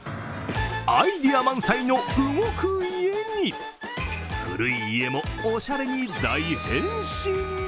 アイデア満載の動く家に古い家も、おしゃれに大変身。